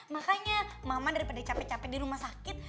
makanya mama daripada capek capek di rumah sakit